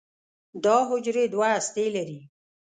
دا حجرې دوه هستې لري.